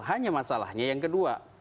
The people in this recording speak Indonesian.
hanya masalahnya yang kedua